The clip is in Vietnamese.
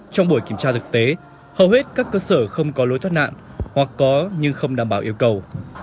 trong buổi kiểm tra thực tế hầu hết các cơ sở không có lối thoát nạn hoặc có nhưng không đảm bảo yêu cầu